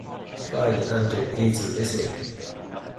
File under Easy Listening.